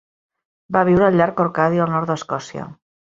Va viure al llac Orcadie, al nord d'Escòcia.